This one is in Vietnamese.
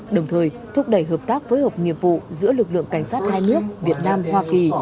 đồng thời thúc đẩy hợp tác phối hợp nghiệp vụ giữa lực lượng cảnh sát hai nước việt nam hoa kỳ